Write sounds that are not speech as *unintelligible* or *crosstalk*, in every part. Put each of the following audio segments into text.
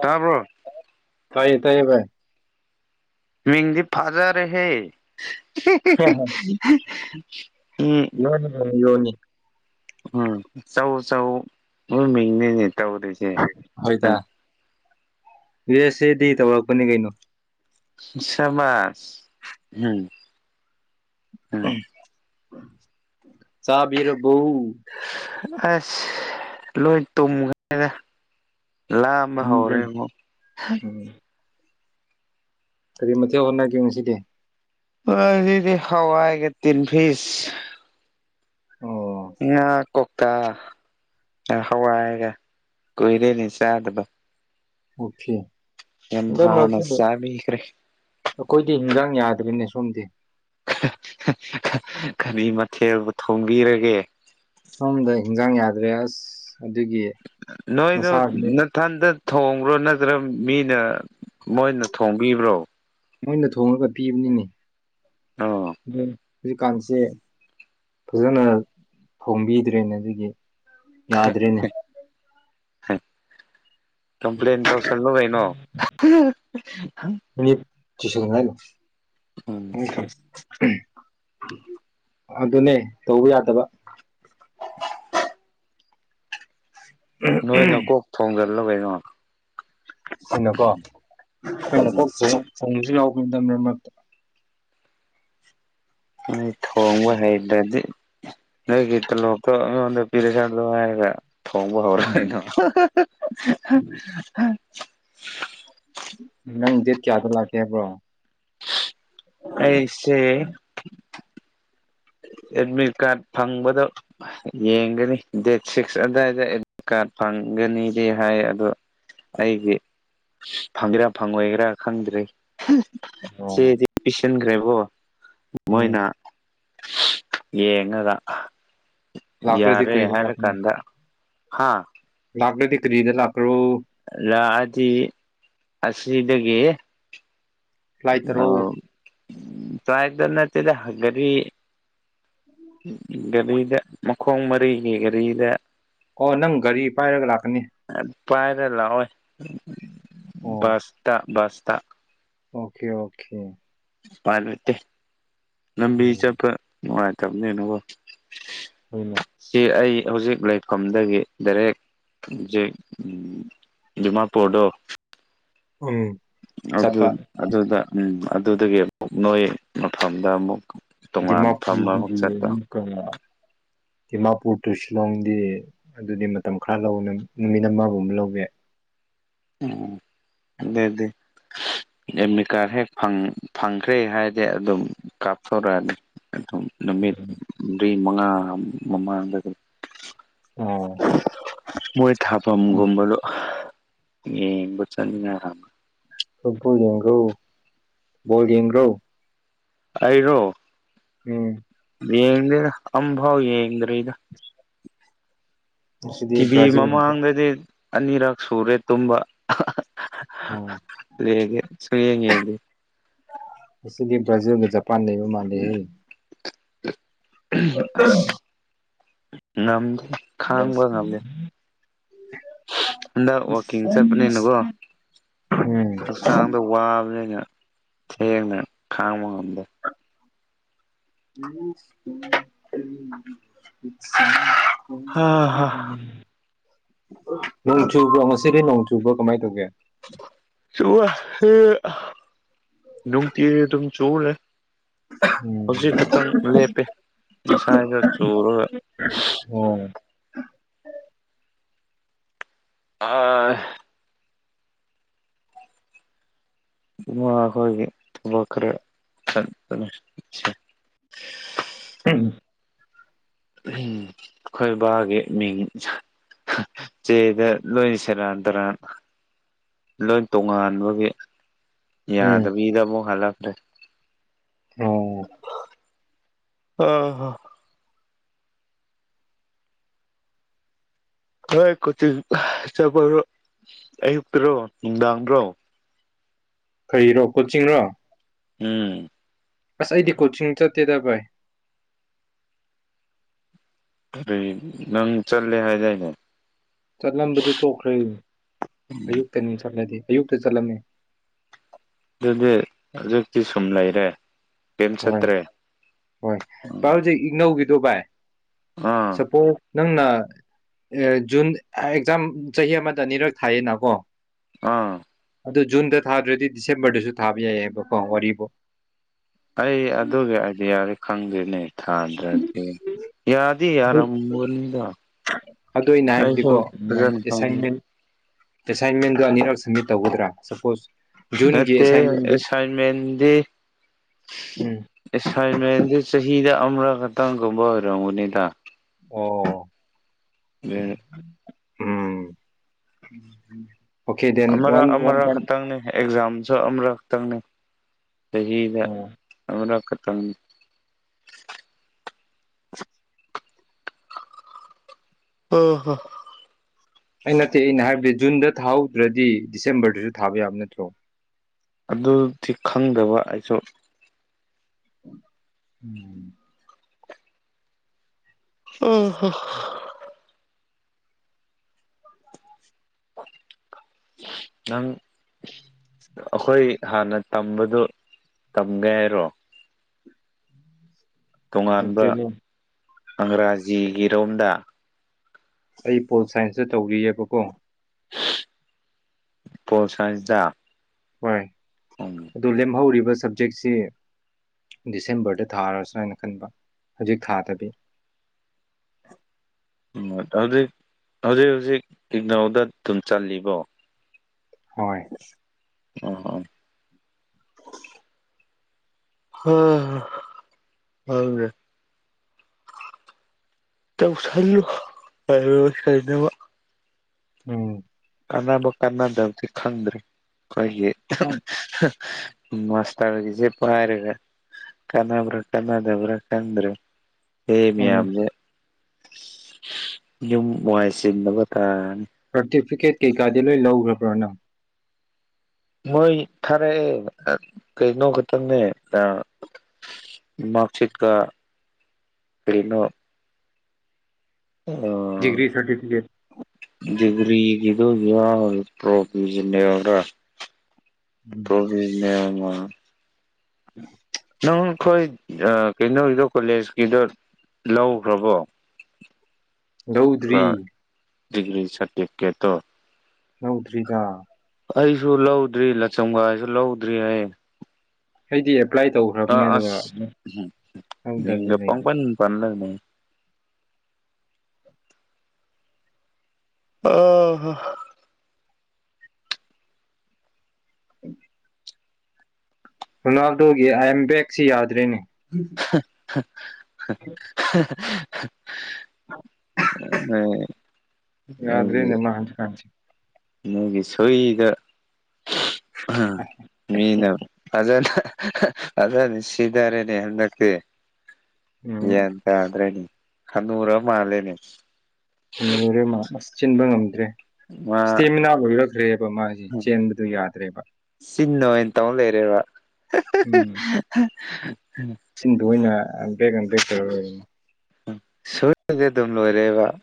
ꯇꯥꯔꯕ꯭ꯔꯣ ꯇꯥꯏꯌꯦ ꯇꯥꯏꯌꯦꯕꯥꯏ ꯃꯤꯗꯤ ꯐꯥꯖꯔꯦ ꯍꯦ ꯎꯝ ꯂꯣꯟꯅ *unintelligible* ꯎꯝ ꯆꯧ ꯆꯧ ꯃꯣꯏ ꯃꯤꯡꯅꯤꯅꯦ ꯇꯧꯔꯤꯣꯏꯁꯦ ꯎꯝ ꯌꯨ ꯑꯦꯁ ꯑꯦꯗꯤ ꯇꯧꯔꯛꯄꯅꯤ ꯀꯩꯅꯣ ꯁꯃꯁ ꯎꯝ ꯎꯝ ꯆꯥꯕꯤꯔꯕꯎ ꯑꯁ ꯂꯣꯏ ꯇꯨꯝꯒꯅꯤꯗ ꯂꯑꯝꯕ ꯍꯧꯔꯦ ꯎꯝ ꯎꯝ ꯀꯔꯤ ꯃꯇꯦꯛ ꯍꯣꯠꯅꯒꯦ ꯉꯁꯤꯗꯤ ꯑꯗꯤ ꯍꯋꯥꯒꯦ ꯇꯤꯟ ꯐꯤꯁ ꯑꯣ ꯑ ꯀꯧꯇꯥ ꯍꯋꯥꯏꯔꯒ ꯀꯣꯏꯔꯦꯅꯦ ꯆꯥꯗꯕ ꯑꯣꯀꯦ ꯌꯥꯝ ꯍ ꯃꯔ ꯍꯥꯎꯅ ꯆꯥꯕꯤꯈ꯭ꯔꯦ ꯑꯩꯈꯣꯏꯗꯤ ꯍꯤꯟꯖꯥꯡ ꯌꯥꯗꯅꯦ ꯁꯣꯝꯗꯤ ꯀꯔꯤ ꯃꯊꯦꯜꯕꯨ ꯊꯣꯡꯕꯤꯔꯒꯦ ꯁꯣꯝꯗ ꯍꯤꯟꯖꯥꯡ ꯌꯥꯗ꯭ꯔꯦ ꯑꯁ ꯑꯗꯨꯒꯤ ꯅꯣꯏꯗ ꯃꯁꯥꯁꯦ ꯅ ꯊꯗ ꯊꯣꯡꯕ꯭ꯔꯣ ꯅꯠꯇ꯭ꯔꯥ ꯃꯤꯅ ꯃꯣꯏꯅ ꯊꯣꯡꯕꯤꯕ꯭ꯔꯣ ꯃꯣꯏꯅ ꯊꯣꯡꯉꯒ ꯄꯤꯕꯅꯤꯅꯦ ꯑꯣ ꯑꯗꯨ ꯍꯧꯖꯤꯛꯀꯥꯟꯁꯤꯦ ꯐꯖꯅ ꯐꯣꯡꯕꯤꯗ꯭ꯔꯦꯅꯦ ꯑꯗꯨꯒꯤ ꯌꯥꯗ꯭ꯔꯅꯦ ꯀꯝꯄ꯭ꯂꯦꯟ ꯇꯧꯁꯜꯂꯨ ꯀꯩꯅꯣ ꯆꯤꯁꯅ ꯎꯝ ꯎ ꯈꯔ ꯑꯗꯨꯅꯦ ꯇꯧꯕ ꯌꯥꯗꯕ ꯅꯣꯏꯅ ꯀꯣꯛ ꯊꯣꯡꯖꯤꯜꯂꯣ ꯀꯩꯅꯣ ꯑꯩꯅꯀꯣ ꯑꯩꯈꯩꯅ ꯎꯝ ꯀꯣꯛꯁꯨꯣꯡꯁꯨ ꯌꯥꯎꯕ ꯃꯔꯛꯇ ꯎ ꯊꯣꯡꯕ ꯍꯩꯗ꯭ꯔꯗꯤ ꯂꯩꯒꯤꯇ ꯂꯗ ꯄꯤꯔꯦ ꯆꯂꯉꯒ ꯊꯣꯡꯕ ꯍꯧꯔꯅ ꯅꯪ ꯗꯦꯠ ꯀꯌꯥꯗ ꯂꯥꯛꯀꯦ ꯍꯥꯏꯕ꯭ꯔꯣ ꯑꯩꯁ ꯎ ꯑꯦꯗꯃꯤꯠ ꯀꯥꯔꯠ ꯐꯪꯕꯗꯣ ꯌꯦꯡꯒꯅꯤ ꯗꯦꯠ ꯁꯤꯛꯁ ꯑꯗꯨꯋꯥꯏꯗ ꯑꯦꯗꯃꯤꯠ ꯀꯥꯔꯠ ꯐꯪ ꯒꯅꯤꯗꯤ ꯍꯥꯏ ꯑꯗꯣ ꯑꯩꯒꯤ ꯐꯪꯒꯦꯔꯥ ꯐꯪꯉꯣꯏꯒꯔꯥ ꯈꯪꯗ꯭ꯔꯔꯤ ꯑꯣ ꯆꯦꯗꯤ ꯄꯤꯁꯤꯟꯈ꯭ꯔꯦꯕꯣ ꯎꯝ ꯃꯣꯏꯅ ꯌꯦꯉꯒ ꯂꯥꯛꯈ꯭ꯔꯗꯤ ꯌꯥꯔꯦ ꯀꯔꯤꯗ ꯍ ꯍꯥꯏꯂ ꯂꯥꯛꯀꯅꯤ ꯀꯗ ꯍꯥꯥ ꯂꯥꯛꯂꯗꯤ ꯀ꯭ꯔꯤꯗ ꯂꯥꯛ ꯂꯗꯤ ꯑꯁꯤꯗꯒꯤꯦ ꯐ꯭ꯂꯥꯏ ꯇꯔꯛꯎ ꯎ ꯆꯥꯏꯗ ꯅꯠꯇꯗ ꯍꯒꯔꯤ ꯒꯥꯔꯤꯗ ꯃꯈꯣꯡ ꯃꯔꯤꯒꯤ ꯒꯥꯔꯤꯗ ꯑꯣ ꯅꯪ ꯒꯥꯔꯤ ꯄꯥꯏꯔꯒ ꯂꯥꯛꯀꯅꯤ ꯄꯥꯏꯔ ꯂꯥꯛꯑꯣꯣꯏ ꯑꯣ ꯁꯇ ꯁꯇ ꯑꯣꯀꯦ ꯑꯣꯀꯦ ꯄꯜꯂꯠꯇꯦ ꯂꯝꯕꯤ ꯎꯝ ꯆꯠꯄ ꯅꯨꯡꯉꯥꯏꯇꯕꯅꯦꯅꯀꯣ ꯍꯣꯏꯅ ꯁꯤ ꯑꯩ ꯍꯧꯖꯤꯛ ꯂꯩꯐꯝꯗꯒꯤ ꯗꯥꯏꯔꯦꯛ ꯦ ꯎꯝ ꯗꯤꯃꯄꯨꯔꯗꯣ ꯎꯝ ꯑꯗꯨ ꯆꯠꯄ ꯑꯗꯨꯗ ꯎꯝ ꯑꯗꯨꯗꯒꯤ ꯑꯃꯨꯛ ꯅꯣꯏ ꯃꯐꯝꯗ ꯑꯃꯨꯛ ꯇꯣꯉꯥꯟꯅ ꯐꯃ ꯑꯃꯨꯛꯆꯠꯇ ꯗꯤꯃꯥꯄꯨꯔ ꯗꯤꯃꯥꯄꯨꯔ ꯇꯨ ꯁꯤꯂꯣꯡꯗꯤ ꯑꯗꯨꯗꯤ ꯃꯇꯝ ꯈꯔ ꯂꯧ ꯅꯨꯃꯤꯠ ꯑꯃꯒꯨꯝꯕ ꯂꯧꯕꯏ ꯎ ꯑꯗ ꯑꯗꯨ ꯑꯦꯝꯃꯤ ꯀꯥꯔ ꯍꯦꯛ ꯐꯪꯈ꯭ꯔꯦ ꯍꯥꯏꯔꯗꯤ ꯑꯗꯨꯝ ꯀꯥꯞꯊꯣꯔꯛꯑꯅꯤ ꯑꯗꯨꯝ ꯅꯨꯃꯤꯠ ꯃꯔꯤ ꯃꯉꯥ ꯃꯃꯥꯡ ꯎꯝ ꯃꯣꯏ ꯊꯥꯐꯝꯒꯨꯝꯕꯗꯣ ꯌꯦꯡꯕ ꯆꯠꯅꯤꯡꯉꯥꯏ ꯑꯃ ꯐꯣ ꯌꯦꯡꯒꯣ ꯌꯦꯡꯒꯣ ꯑꯩꯔꯣ ꯎꯝ ꯌꯦꯡꯗꯔ ꯑꯝꯕꯥꯎ ꯌꯦꯡꯗ꯭ꯔ ꯏꯗ ꯉꯁꯤꯗꯤ ꯇꯤꯚꯤ ꯕ꯭ꯔꯥꯖꯤꯜ ꯃꯃꯥꯡꯗꯗꯤ ꯑꯅꯤꯔꯛ ꯁꯨꯔꯦ ꯇꯨꯝꯕ ꯎꯝ ꯂꯩꯒꯦ ꯁꯨ ꯌꯦ ꯌꯦ ꯌꯦꯒꯦ ꯃꯁꯤꯗꯤ ꯕ꯭ꯔꯥꯖꯤꯜꯒ ꯖꯄꯥꯟ ꯂꯩꯕ ꯃꯥꯥꯟꯅ ꯑ ꯅꯝꯗ *unintelligible* ꯑꯗ ꯋꯥꯀꯤꯁꯦꯄꯅꯤꯅꯀꯣ ꯎꯝ ꯍꯛꯆꯥꯡꯗ ꯋꯥꯕꯅꯤꯅ ꯊꯦꯡꯅ ꯈꯥꯡꯕ ꯉꯝꯗ ꯎ *unintelligible* ꯎ ꯎꯝꯝ *unintelligible* ꯍꯥ ꯍꯥ ꯅꯣꯡ ꯆꯨꯕ꯭ꯔꯣ ꯉꯁꯤꯗꯤ ꯅꯣꯡ ꯆꯨꯕ꯭ꯔꯣ ꯀꯃꯥꯏꯅ ꯇꯧꯒꯦ ꯆ ꯅꯨꯡꯇ ꯇ ꯆꯅꯦ *unintelligible* ꯍꯧꯖꯤꯛ ꯈꯛꯇꯪ ꯂꯦꯞꯄꯦ ꯉꯁꯥꯏꯗ ꯆꯨꯔꯒ ꯑꯣ ꯑꯥ ꯎ ꯍꯦ ꯊꯕ ꯀꯔꯦ ꯆ *unintelligible* ꯍ *unintelligible* ꯎꯝ ꯈꯣꯏꯕꯥꯒꯤ ꯃꯤꯡ ꯆꯗ ꯂꯣꯏꯅꯤ ꯆꯔ ꯇꯔ ꯂꯣꯏ ꯇꯣꯉꯥꯟꯕꯒꯤ ꯎꯝ ꯌꯥꯗꯕꯤꯗ ꯑꯃꯨꯛ ꯍꯜꯂꯛꯈ꯭ꯔꯦ ꯑꯣ ꯑ ꯍꯣꯏ ꯀꯣꯆꯤꯡ ꯆꯠꯄꯔꯣ ꯑꯌꯨꯛꯇꯔꯣ ꯅꯨꯡꯗꯥꯡꯔꯣ ꯀꯩꯔꯣ ꯀꯣꯆꯤꯡꯔꯣ ꯎꯝ ꯑꯁ ꯑꯩꯗꯤ ꯀꯣꯆꯤꯡ ꯆꯠꯇꯦꯗ ꯚꯥꯏ ꯀ ꯅꯪ ꯆꯠꯂꯦ ꯍꯥꯏꯗꯥꯏꯅꯦ ꯆꯠꯂꯝꯕꯗꯨ ꯇꯣꯛꯈ꯭ꯔꯦ ꯑꯌꯨꯛꯇ ꯅꯨꯡ ꯆꯠꯂꯗꯤ ꯑꯌꯨꯛꯇ ꯆꯠꯂꯝꯃꯦ ꯑꯗꯨꯗꯤ ꯍꯧꯖꯤꯛꯇꯤ ꯁꯨꯝ ꯂꯩꯔꯦ ꯀꯩꯝ ꯍꯣꯏ ꯆꯠꯇ꯭ꯔꯦ ꯍꯣꯏ ꯚ ꯎꯝ ꯍꯧꯖꯤꯛ ꯏꯅꯧꯒꯤꯗꯣ ꯚꯥꯏ ꯑꯥ ꯆꯄꯣ ꯅꯪꯅ ꯖꯨꯟ ꯑꯦꯛꯖꯥꯝ ꯆꯍꯤ ꯑꯃꯗ ꯑꯅꯤꯔꯛ ꯊꯥꯏꯌꯦꯅꯀꯣ ꯑꯥ ꯑꯗꯨ ꯖꯨꯟꯗ ꯊꯥꯗ꯭ꯔꯗꯤ ꯗꯤꯁꯦꯝꯕꯔꯗꯁꯨ ꯊꯥꯕ ꯌꯥꯏꯑꯕꯀꯣ ꯋꯥꯔꯤꯕꯨꯣ ꯑꯩ ꯑꯗꯨꯒꯤ ꯑꯥꯏꯗꯤꯌꯥꯗꯤ ꯈꯪꯗꯦꯅꯦ ꯊꯥꯗ꯭ꯔꯗꯤ ꯌꯥꯗꯤ ꯑꯗꯨ ꯌꯥꯔꯝꯕꯗꯣ ꯑꯗꯨ ꯑꯩꯅ ꯍꯥꯏꯕꯗꯤꯀꯣ ꯑꯦꯁꯥꯏꯟꯃꯦꯟ ꯑꯦꯁꯥꯏꯟꯃꯦꯟꯗ ꯑꯅꯤꯔꯛ ꯁꯃꯤꯠ ꯇꯧꯒꯗ꯭ꯔꯥ ꯁꯄꯣꯁ ꯖꯨꯟꯒꯤ ꯅꯠꯇꯦ ꯑꯦꯁꯥꯏꯟꯃꯦꯟꯗꯨ ꯑꯁꯥꯏꯟꯃꯦꯟꯗꯤ ꯎꯝ ꯑꯁꯥꯏꯟꯃꯦꯟ ꯆꯍꯤꯗ ꯑꯃꯔꯛ ꯈꯛꯇꯪꯒꯨꯝꯕ ꯑꯣꯏꯔꯝꯒꯅꯤꯗ ꯑꯣ ꯎꯝ ꯑꯣꯀꯦ ꯗꯦꯟ ꯑꯃꯔ ꯋꯥꯟ ꯋꯥꯟ ꯑꯃꯔꯥ ꯄꯣꯏꯟ ꯈꯛꯇꯪꯅꯦ ꯑꯦꯛꯖꯥꯝ ꯁ ꯑꯃꯨꯔꯛꯇꯪꯅꯤ ꯆꯍꯤꯗ ꯑꯣ ꯑꯃꯨꯔꯛ ꯇ ꯑ ꯍ ꯑꯩ ꯅꯠꯇꯦ ꯑꯩꯅ ꯍꯥꯏꯕꯗꯤ ꯖꯨꯟꯗ ꯊꯥꯍꯧꯗ꯭ꯔꯗꯤ ꯗꯤꯁꯦꯝꯕꯔꯗꯁꯨ ꯊꯥꯕ ꯌꯥꯝꯕ ꯅꯠꯇ꯭ꯔꯣ ꯑꯗꯨꯗꯤ ꯈꯪꯗꯕ ꯑꯩꯁꯨ ꯎꯝ ꯎ ꯍ ꯅꯪ ꯑꯩꯈꯣꯏ ꯍꯥꯟꯅ ꯇꯝꯕꯗꯨꯣ ꯇꯝꯒꯦ ꯍꯥꯏꯔꯣ ꯇꯣꯉꯥꯟꯕ ꯑꯦꯛꯆꯨꯋꯦꯂꯤ ꯑꯪꯒ꯭ꯔꯥꯖꯤꯒꯤꯔꯣꯝꯗ ꯑꯩ ꯄꯣꯜ ꯁꯥꯏꯟꯁꯇ ꯇꯧꯔꯤꯑꯕꯀꯣ ꯄꯣꯁꯁꯤꯗ ꯍꯣꯏ ꯑꯗꯨ ꯂꯦꯝꯍꯧꯔꯤꯕ ꯁꯕꯖꯦꯛꯁꯤ ꯗꯤꯁꯦꯝꯕꯔꯗ ꯊꯥꯔꯁ꯭ꯔ ꯍꯥꯏꯅ ꯈꯟꯕ ꯍꯧꯖꯤꯛ ꯊꯥꯗꯕꯤ *inaudible* ꯎ ꯍꯧꯖꯤꯛ ꯍꯧꯖꯤꯛ ꯍꯧꯖꯤꯛ ꯏꯅꯧꯗ ꯑꯗꯨꯝ ꯆꯜꯂꯤꯕꯣ ꯍꯣꯏ ꯑ ꯑ ꯍ ꯍꯒꯦ ꯇꯧꯁꯜꯂꯨ ꯍꯥꯏ ꯀꯅꯕ ꯑꯣꯝ ꯀꯥꯟꯅꯕ ꯀꯥꯟꯅꯗꯕꯗꯤ ꯈꯪꯗ꯭ꯔꯤ ꯑꯩꯈꯣꯏꯒꯤ ꯅꯪ ꯃꯁ ꯂ ꯁꯤ ꯄꯔꯒ ꯀꯅꯥꯕ꯭ꯔꯥ ꯀꯅꯥꯗꯕ꯭ꯔ ꯀꯟ꯭ꯔ ꯑꯦ ꯎꯝ ꯃꯌꯥꯝꯅ ꯌꯨꯝ ꯋꯥꯅꯨꯡꯉꯥꯏꯁꯤꯅꯕ ꯇꯥ ꯁꯥꯔꯇꯤꯐꯤꯀꯦꯠ ꯀꯩꯀꯥꯗꯤ ꯂꯣꯏ ꯂꯧꯈ꯭ꯔꯕ꯭ꯔꯅꯪ ꯃꯣꯏ ꯊꯔꯦ ꯀꯩꯅꯣꯈꯇꯅꯦ ꯑ ꯃꯥꯔꯛꯁꯤꯠ ꯀ ꯀꯅ ꯗꯤꯒ꯭ꯔꯤ ꯁꯔꯇꯤꯐꯀꯦꯠ ꯒꯔꯤꯒꯤꯗ ꯇ꯭ꯔꯣꯐꯤ ꯑꯣꯥ ꯎꯝ ꯆꯧꯕꯤꯁ ꯃ ꯎꯝ ꯅꯪ ꯑꯩꯈꯣꯏ ꯀꯩꯅꯣꯒꯤꯗꯣ ꯀꯣꯂꯦꯖꯀꯤꯗꯣ ꯂꯧꯈ꯭ꯔꯕꯣ *inaudible* ꯔꯧꯗ꯭ꯔꯤ ꯗꯤꯒ꯭ꯔꯤ ꯁꯔꯇꯤꯐꯤꯀꯦꯠꯇꯣ ꯍꯧꯗ꯭ꯔꯤꯗ ꯑꯩꯁꯨ ꯂꯧꯗ꯭ꯔꯤ ꯂꯆꯝꯒꯥꯏꯁꯨ ꯂꯧꯗ꯭ꯔꯤ ꯍꯥꯏ ꯍꯩꯗꯤꯌꯦ ꯑ ꯍꯧꯗꯕꯤ ꯑꯁ ꯂꯩꯕ ꯄꯪꯄꯅꯤ ꯄꯟꯂꯅꯦ ꯑꯣ ꯔꯣꯅꯥꯜꯗꯣꯒꯤ ꯑꯥꯏꯦꯝ ꯕꯦꯛꯁꯤ ꯌꯥꯗ꯭ꯔꯦꯅꯦ *inaudible* ꯒꯤ ꯌꯥꯗ꯭ꯔꯦꯅꯦ ꯃꯥ ꯍꯧꯖꯤꯛꯀꯥꯟꯁꯦ ꯅꯣꯏꯒꯤ ꯁꯣꯏꯗ ꯃꯤ ꯅ ꯑꯖꯅ ꯑꯗꯨꯅꯤ ꯁꯤꯊꯔꯦꯅꯦ ꯍꯟꯗꯛꯇꯤ ꯒ꯭ꯌꯥꯟ ꯎꯝ ꯇꯥꯗ꯭ꯔꯅꯤ ꯍꯅꯔ ꯃꯥꯂꯦꯅꯦ ꯨꯔꯦ ꯃꯥ ꯑꯁ ꯆꯤꯟꯕ ꯉꯝꯗ꯭ꯔꯦ ꯃꯥ ꯏꯁꯇꯦꯃꯤꯅꯥ ꯑꯣꯏꯔꯛꯈ꯭ꯔꯦꯕ ꯃꯥꯁꯤꯦ ꯆꯦꯟꯕꯗꯨ ꯌꯥꯗ꯭ꯔꯦꯕ ꯆꯤꯟꯅ ꯑꯣꯏꯅ ꯇꯧꯅ ꯂꯩꯔꯦꯕ ꯅꯦ ꯀꯇꯦ ꯁꯣꯏꯗꯤ ꯑꯗꯨꯝ ꯂꯣꯏꯔꯦꯕ *inaudible*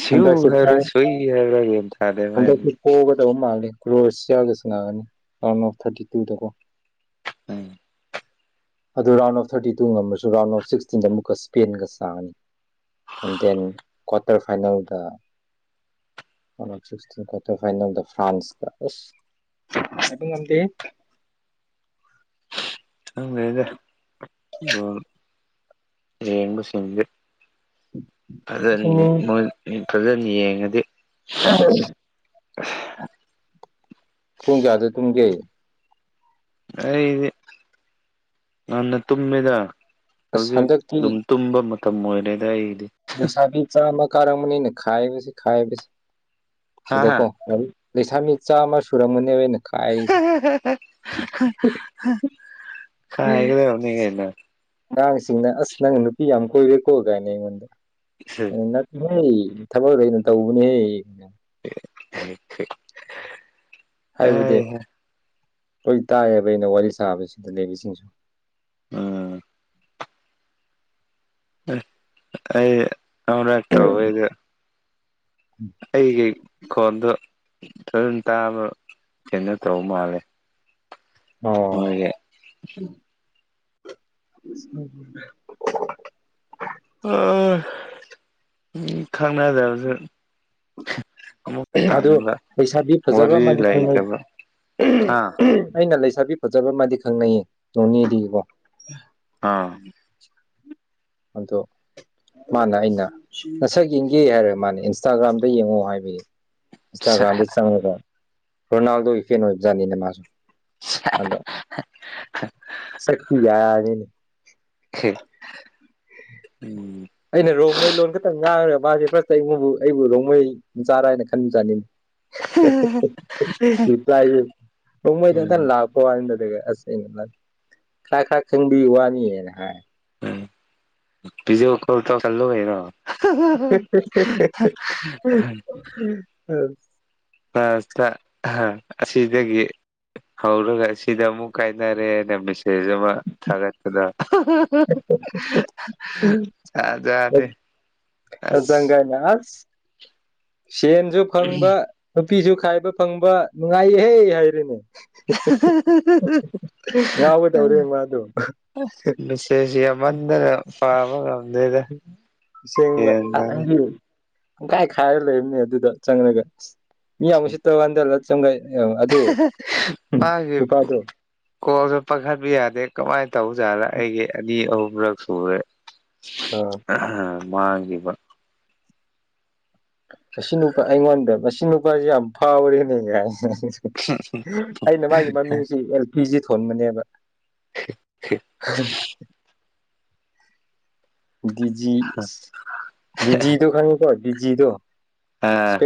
ꯁꯤ꯭ꯎ ꯍꯥꯏꯕ꯭ꯔꯥ ꯁꯏ ꯍꯥꯏꯕ꯭ꯔꯥꯒ ꯑꯁꯨꯄꯣꯒꯧꯕ ꯃꯥꯦ ꯀ꯭ꯔꯣꯑꯁꯤꯌꯥꯒ ꯁ ꯒꯅꯤ ꯔꯥꯎꯟ ꯑꯣꯐ ꯊꯥꯔꯇꯤ ꯇꯨꯗꯀꯣ ꯎꯝ ꯑꯗꯨ ꯔꯥꯎꯟ ꯑꯣꯐ ꯊꯥꯔꯇꯤ ꯇꯨ ꯉꯝꯃꯁꯨ ꯔꯥꯎꯟ ꯑꯣꯐ ꯁꯤꯛꯁꯇꯤꯟꯗ ꯑꯃꯨꯛꯀ ꯏꯁꯄꯦꯟꯒ ꯆꯥꯉꯅꯤ ꯑꯦꯟ ꯗꯦꯟ ꯀ꯭ꯋꯥꯔꯇꯔ ꯐꯥꯏꯅꯦꯜꯗ ꯇ ꯀꯋꯥꯇꯔ ꯐꯥꯏꯜ ꯗ ꯐ꯭ꯔꯥꯟꯁ ꯀꯁ ꯑꯗꯨꯝ ꯉꯝꯗꯦ *unintelligible* ꯑꯉꯗ ꯌꯦꯡꯕ ꯁꯤꯖ ꯐꯖꯅ ꯑꯗꯨꯅꯤ ꯃꯣꯏ ꯐꯖꯅ ꯌꯦꯡꯉꯗꯤ ꯑ ꯀꯨꯡ ꯀꯌꯥꯗꯦ ꯇꯨꯡ ꯀꯦ ꯑꯩꯗꯤ ꯅꯟꯅ ꯇꯨꯝꯃꯗ ꯑꯁ ꯍꯧꯖꯤꯛ ꯍꯟꯗꯛꯇꯤ ꯑꯗꯨꯝ ꯇꯨꯝꯕ ꯃꯇꯝ ꯑꯣꯏꯔꯦꯗ ꯑꯩ ꯅꯨꯡꯁꯥꯕꯤ ꯆꯥꯝꯃ ꯀꯥꯔꯛꯝꯝꯕꯅꯤꯅ ꯈꯥꯏꯕꯁꯤ ꯈꯥꯏꯕꯕꯁꯤ ꯍꯥ ꯍꯥ ꯁꯤꯗꯀꯣ ꯂꯩꯁꯥꯃꯤ ꯆꯥꯝꯃ ꯁꯨꯔꯝꯃꯅꯦꯕꯩꯅ ꯏꯒꯗ ꯍꯧꯅꯤꯒꯩꯅ ꯑꯉꯥꯡꯁꯤꯡꯅ ꯑꯁ ꯅꯪ ꯅꯨꯄꯤ ꯌꯥꯝ ꯀꯣꯏꯔꯦꯀꯣ ꯀꯥꯏꯅ ꯑꯩꯉꯣꯟꯗ ꯑꯗꯨ ꯍ ꯊꯕꯛ ꯍ ꯑꯣꯏꯅ ꯇꯧꯕꯅꯦꯍ ꯍꯥꯏꯕꯗꯤ ꯑ ꯂꯣꯏ ꯇꯥꯏꯌꯦꯕ ꯑꯩꯅ ꯋꯥꯔꯤ ꯁꯥꯕꯁꯤꯗ ꯂꯩꯕꯁꯤꯡꯁꯨ ꯎꯝ ꯑꯩꯌꯦ ꯑꯔꯥꯛ ꯇꯕ ꯏ ꯑꯩꯒꯤ ꯈꯣꯟꯗꯣ ꯑꯗꯨꯝ ꯇꯥꯕ ꯀꯩꯅꯣ ꯇꯧꯕ ꯃꯥꯜꯂꯦ ꯑꯣ ꯃꯣꯏꯒꯤ ꯎ ꯑ ꯎ ꯈꯪꯅꯖꯕꯁꯨ ꯑꯗꯨ ꯄꯩꯁꯥꯕꯤ ꯐꯖꯕ ꯋꯥꯔꯤ ꯑꯃꯗꯤ ꯐꯪꯅꯩ ꯂꯩꯇꯕ ꯑꯥ ꯑꯩꯅ ꯂꯩ ꯄꯁꯕꯤ ꯐꯖꯕ ꯃꯥꯗꯤ ꯈꯪꯅꯩꯌꯦ ꯅꯣꯅꯦꯗꯤꯀꯣ ꯑꯥ ꯑꯗꯣ ꯃꯥꯅꯦ ꯑꯩꯅ ꯉꯁꯥꯏꯒꯤꯡꯒꯤ ꯍꯥꯏꯔ ꯃꯥꯅꯦ ꯏꯟꯁꯇꯥꯒ꯭ꯔꯥꯝꯗ ꯌꯦꯡꯉꯣ ꯍꯥꯏꯕꯒꯤ ꯏꯁꯇꯥꯒ꯭ꯔꯝꯗ ꯆ ꯔꯣꯅꯥꯜꯗꯣ ꯏꯐꯖꯥꯅꯤꯅꯦ ꯃꯥꯁꯨ ꯑꯗꯣ ꯁꯛꯄꯤ ꯌꯥꯅꯤꯅꯦ ꯎꯝ ꯑꯩꯅ ꯔꯣꯡꯃꯩ ꯂꯣꯟ ꯈꯛꯇꯪ ꯉꯥꯡꯈ꯭ꯔꯒ ꯃꯥꯁꯦ ꯐ꯭ꯔꯁꯇ ꯑꯩꯉꯕꯨ ꯑꯩꯕꯨ ꯔꯣꯡꯃꯩ ꯆꯥꯔꯥ ꯍꯥꯏꯅ ꯈꯟꯕ ꯆꯥꯅꯤ ꯏꯥꯏꯁꯨ ꯅꯣꯡꯃꯩꯗ ꯑꯝꯇ ꯎꯝ ꯂꯥꯛꯄ ꯋꯥꯗꯗꯤꯒ ꯑꯁꯦꯡꯩꯅ ꯈꯔ ꯈꯔ ꯈꯪꯕꯤ ꯋꯥꯅꯤꯌꯦꯅ ꯍꯥꯏ ꯎꯝ ꯄꯤꯖꯧ ꯀꯣ ꯏꯇꯥꯎ *unintelligible* *unintelligible* ꯑ ꯑꯁꯤꯗꯒꯤ ꯍꯧꯔꯒ ꯁꯤꯗ ꯑꯃꯨꯛ ꯀꯥꯏꯅꯔꯦꯅ ꯃꯦꯁꯦꯖ ꯑꯃ ꯊꯥꯒꯠꯄꯗ ꯆꯠ ꯖꯥꯅꯤ ꯆꯪꯒꯥꯥꯏꯅꯦ ꯑꯁ ꯁꯦꯟꯁꯨ ꯐꯪꯕ ꯅꯨꯄꯤꯁꯨ ꯈꯥꯏꯕ ꯐꯪꯕ ꯅꯨꯡꯉꯥꯏꯍꯩ ꯍꯥꯏꯔꯤꯅꯦ ꯑ ꯉꯥꯎꯒꯗꯧꯔꯦ ꯃꯥꯗꯣ *unintelligible* ꯃꯦꯁꯦꯁ ꯌꯥꯝꯅꯗꯅ ꯄꯥꯕꯉꯝꯗꯦ ꯁꯦꯡꯕ ꯇꯥꯗꯦ ꯇꯪꯈꯥꯏ ꯈꯥꯏꯔꯒ ꯂꯩꯔꯝꯅꯦ ꯑꯗꯨꯗ ꯆꯪꯂꯉꯒ ꯃꯤ ꯌꯥꯝ ꯎꯁꯤꯠꯇ ꯍꯟꯗꯂ ꯆꯪꯒꯥꯏ ꯄꯥꯒꯦ ꯅꯨꯄꯥꯗꯣ ꯀꯣꯜꯁꯨ ꯄꯥꯈꯠꯕ ꯌꯥꯗꯦ ꯀꯃꯥꯏꯅ ꯇꯧꯖꯥꯠꯅ ꯑꯩꯒꯤ ꯑꯅꯤ ꯑꯍꯨꯝ ꯔꯛꯁꯨꯔꯦ ꯑꯥ ꯃꯥꯡꯈꯤꯕ ꯑꯁꯤ ꯅꯨꯄꯥ ꯑꯩꯉꯣꯟꯗ ꯃꯁꯤ ꯅꯨꯄꯥꯁꯦ ꯌꯥꯝ ꯐꯥꯎꯔꯦꯅꯦ ꯒꯥꯏꯅ ꯑꯩꯅ ꯃꯥꯒꯤ ꯃꯃꯤꯡꯁꯤ ꯑꯦꯜ ꯄꯤ ꯖꯤ ꯊꯣꯟꯕꯅꯤꯕ *unintelligible* *inaudible* ꯗꯤꯖꯤ ꯗꯤꯖꯗꯨ ꯈꯪꯏꯀꯣ ꯗꯤꯖꯗꯣ ꯑꯥ *inaudible*